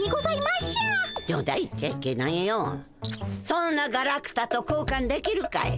そんなガラクタと交換できるかい。